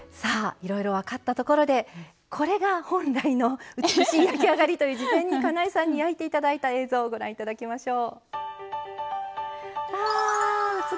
いろいろ分かったところでこれが本来の美しい焼き上がりという事前に、かなえさんに焼いていただいた映像をご覧いただきましょう。